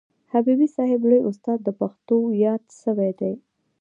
حبیبي صاحب لوی استاد د پښتو یاد سوی دئ.